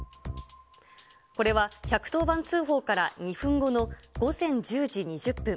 これは１１０番通報から２分後の午前１０時２０分。